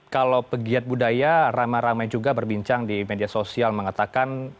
kalau pegiat budaya ramai ramai juga berbincang di media sosial mengatakan